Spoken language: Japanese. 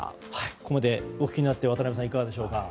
ここまでお聞きになって渡辺さん、いかがでしょうか。